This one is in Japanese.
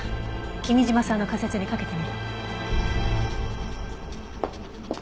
君嶋さんの仮説に賭けてみる。